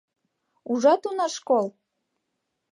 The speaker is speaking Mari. — Ужат, уна, школ!